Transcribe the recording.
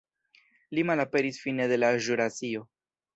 Ili malaperis fine de la ĵurasio.